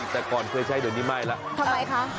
แต่ก่อนเคยใช้เดี๋ยวนี้ไหม้แล้วทำไมคะ